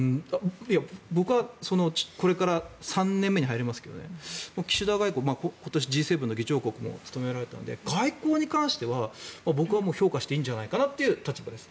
僕はこれから３年目に入りますけどね岸田外交、今年Ｇ２０の議長国も務められたので外交に関しては僕は評価していいんじゃないかなという立場です。